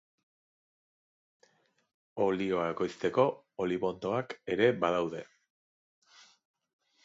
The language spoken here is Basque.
Olioa ekoizteko olibondoak ere badaude.